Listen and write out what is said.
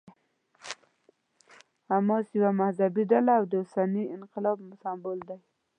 حماس یوه مذهبي ډله او د اوسني انقلاب سمبول دی.